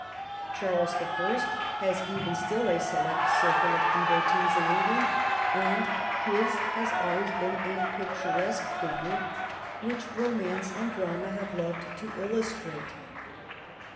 Charles the First has even still a select circle of devotees in England, and his has always been a picturesque figure which romance 4 THE WOMAN BORN TO BE QUEEN and the drama have loved to illustrate.